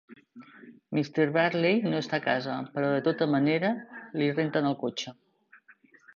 Mr. Bradley no està a casa, però de tota manera li renten el cotxe.